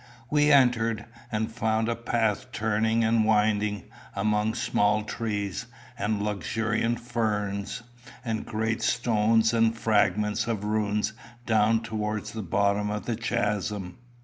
We entered, and found a path turning and winding, among small trees, and luxuriant ferns, and great stones, and fragments of ruins down towards the bottom of the chasm.